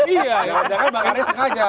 iya jangan jangan bang ari sengaja